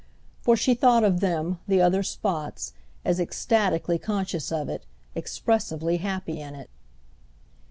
For she thought of them, the other spots, as ecstatically conscious of it, expressively happy in it.